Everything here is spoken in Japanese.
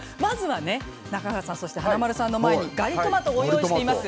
中川さんと華丸さんの前にガリトマトをご用意しました。